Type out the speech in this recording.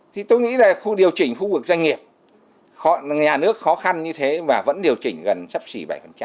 thì tôi nghĩ là điều chỉnh khu vực doanh nghiệp nhà nước khó khăn như thế mà vẫn điều chỉnh gần sắp xỉ bảy